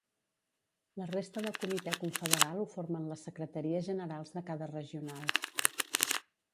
La resta del comitè confederal ho formen les secretaries generals de cada regional.